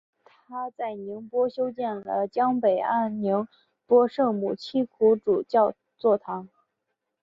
他在宁波修建了江北岸宁波圣母七苦主教座堂。